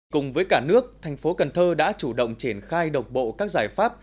cùng với cả nước thành phố cần thơ đã chủ động triển khai độc bộ các giải pháp